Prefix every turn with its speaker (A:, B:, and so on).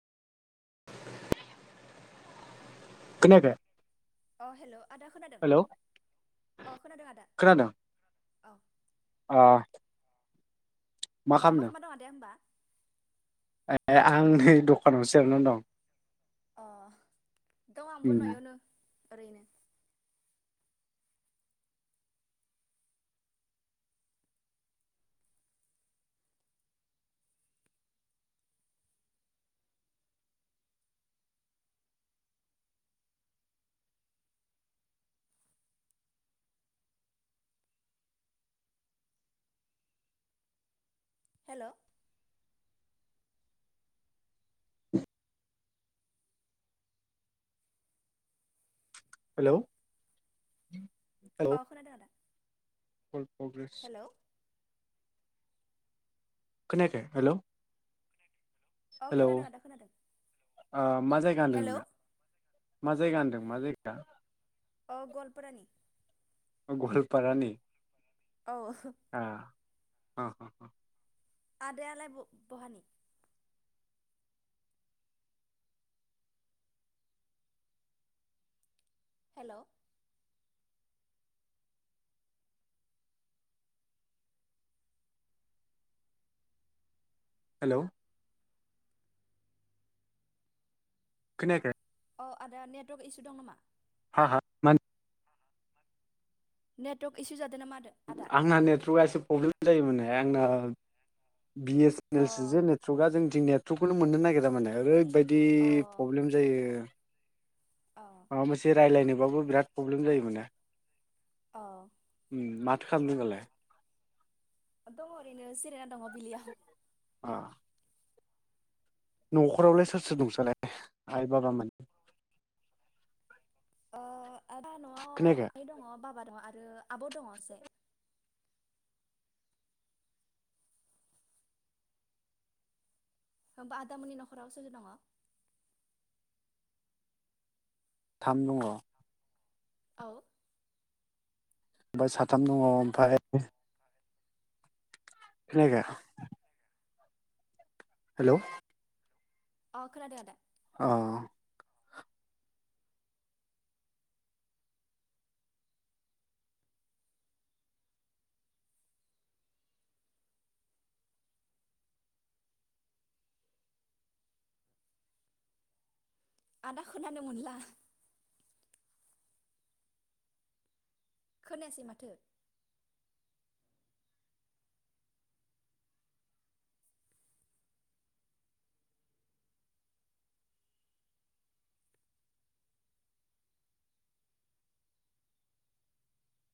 A: खोनायाखै
B: अ हेल' आदा खोनादों
A: हेलौ
B: अ खोनादों आदा
A: खोनादों
B: औ
A: ओ
B: औ मा खालामा दङ होमबा
A: ए आं नै दखानावसोे जिरायनानै दं
B: अ दं आंबो
A: उम
B: न'आवनो ओरैनो हेलौ
A: हेलौ
B: अ खोनादो आदा
A: फुल प्रग्रेस
B: हेलौ
A: खोनाखै हेलौ
B: अ
A: हेलौ
B: खोनादों आदा खोनादों
A: ओ मा जायगा होनदों
B: हेलौ
A: नोंना मा जायगा होनदों मा जायगा
B: ओ गवालपारानि
A: गवालपारानि
B: औ
A: ओ ओ उम
B: आदायालाय बहानि हेलौ
A: हेलौ खोनायाखै
B: औ आदा नेटवर्क इसु दं नामा
A: हा हा मान
B: नेटवक इसु जा
A: आंना नेट्रखा एसे प्रब्लेम जायोमोनहे आंना बि एस
B: अ
A: सेनेल सो जे नेट्रका जोंथिं ने थ्रु खौनो मोननो नागिरा मान ओरैबाय दि
B: अ
A: पब्लेम जायो
B: अ
A: माबा मोनसे राय्लायनोबाबो बिराद पब्लेम जायो मोने
B: अह
A: माथो खामदो दालाय
B: दङ ओरैनो जिरायना दङ बिलियाव
A: आ न'खरावलाय सोर सोर दं नोंसालाय आइ बाबामोन
B: ओ आदा न'आव
A: खोनायाखै?
B: आइ दङ बाबा दङ आ रो आब' दङ असे होमबा आदामोनि न'खराव सोर सोर दङ
A: थाम दङ
B: औ
A: बाय साथाम दङ ओमफाय खोनायाखै हेलौ
B: अ खोनादो आदा
A: अह
B: आदा खोनानो मोनला खोनायासै माथो